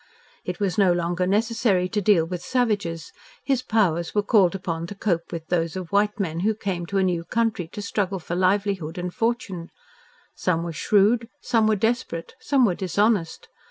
It was no longer necessary to deal with savages: his powers were called upon to cope with those of white men who came to a new country to struggle for livelihood and fortune. Some were shrewd, some were desperate, some were dishonest.